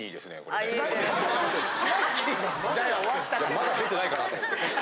まだ出てないかなと思って。